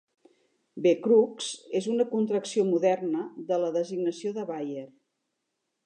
"Becrux" és una contracció moderna de la designació de Bayer.